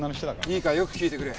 いいかよく聞いてくれ。